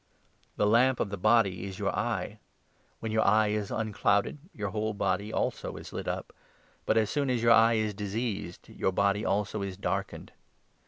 The lamp of the body is your eye. 34 Darkness. When your eye is unclouded, your whole body, also, is lit up ; but, as soon as your eye is diseased, your body, also, is darkened.